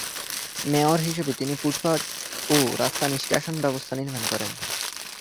Mayor হিসেবে তিনি footpath ও রাস্তা নিষ্কাশন ব্যবস্থা নির্মাণ করেন।